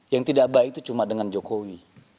yang tidak baik itu cuma dengan jokowi